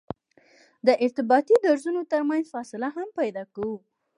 د ارتباطي درزونو ترمنځ فاصله هم پیدا کوو